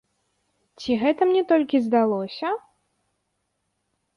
Ці гэта мне толькі здалося?